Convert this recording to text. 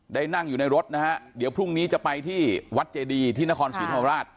นั่งอยู่ในรถนะฮะเดี๋ยวพรุ่งนี้จะไปที่วัดเจดีที่นครศรีธรรมราช